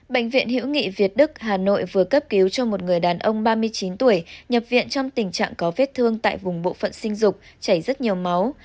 bệnh viện hữu nghị việt đức hà nội vừa cấp cứu cho một người đàn ông ba mươi chín tuổi nhập viện trong tình trạng có vết thương tại vùng bộ phận sinh dục chảy rất nhiều máu